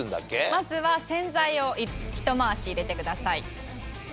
まずは洗剤をひと回し入れてください。